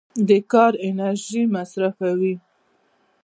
د کار انرژي مصرفوي.